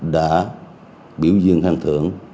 đã biểu diễn hành thưởng